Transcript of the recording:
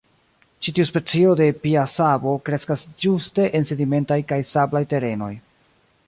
Ĉi tiu specio de piasabo kreskas ĝuste en sedimentaj kaj sablaj terenoj.